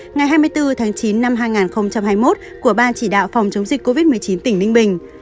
ngày hai mươi bốn tháng chín năm hai nghìn hai mươi một của ban chỉ đạo phòng chống dịch covid một mươi chín tỉnh ninh bình